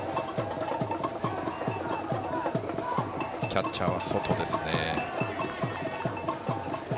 キャッチャーは外ですね。